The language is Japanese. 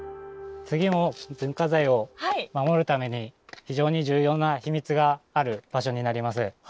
次も文化財を守るために非常に重要な秘密がある場所になります。